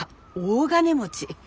大金持ち。